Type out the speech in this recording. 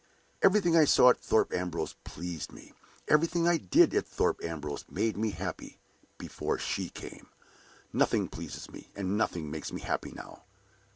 Everything I saw at Thorpe Ambrose pleased me, everything I did at Thorpe Ambrose made me happy, before she came. Nothing pleases me, and nothing makes me happy now!"